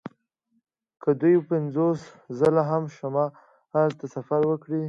که دوی پنځوس ځله هم شمال ته سفر وکړي